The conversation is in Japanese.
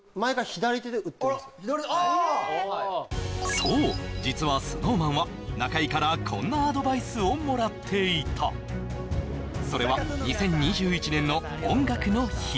そう実はＳｎｏｗＭａｎは中居からこんなアドバイスをもらっていたそれは２０２１年の「音楽の日」